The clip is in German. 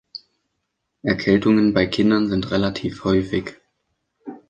Erkältungen bei Kindern sind relativ häufig.